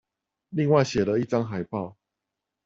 另外寫了一張海報